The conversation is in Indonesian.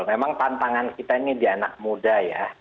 memang tantangan kita ini di anak muda ya